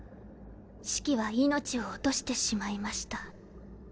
シキは命を落としてしまいました。